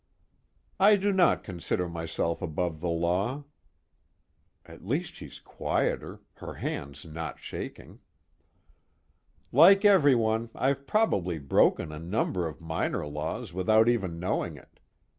"I do not consider myself above the law." At least she's quieter; her hands not shaking. "Like everyone, I've probably broken a number of minor laws without even knowing it.